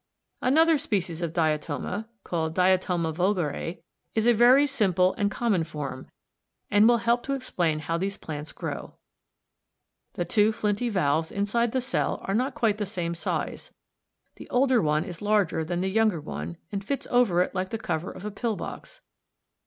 Another species of Diatoma (Fig. 70) called Diatoma vulgare, is a very simple and common form, and will help to explain how these plants grow. The two flinty valves a, b inside the cell are not quite the same size; the older one a is larger than the younger one b and fits over it like the cover of a pill box.